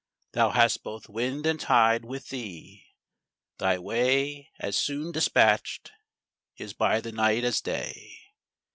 Thou hast both wind and tide with thee; thy way As soon dispatch'd is by the night as day.